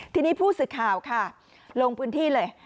ทีนี้ผู้สื่อข่าวค่ะลงพื้นที่เลย